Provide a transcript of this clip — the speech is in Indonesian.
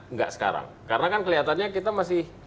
enggak sekarang karena kan kelihatannya kita masih